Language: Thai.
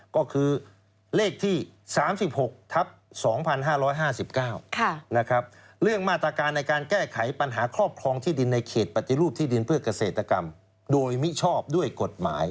ก็คือเลขที่๓๖ทับ๒๕๕๙เรื่องมาตรการในการแก้ไขปัญหาครอบครองที่ดินในเขตปฏิรูปที่ดินเพื่อเกษตรกรรมโดยมิชอบด้วยกฎหมาย